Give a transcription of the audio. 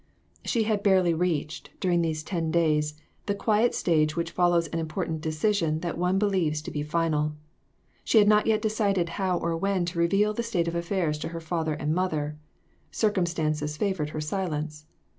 She had barely reached, during these ten days, the quiet stage which follows an important decis ion that one believes to be final. She had not yet decided how or when to reveal the state of affairs to her father and mother. Circumstances favored her silence.